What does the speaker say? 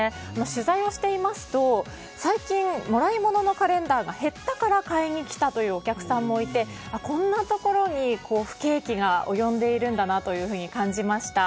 取材をしていますと最近、もらいもののカレンダーが減ったから買いに来たというお客さんもいてこんなところに不景気が及んでいるんだなと感じました。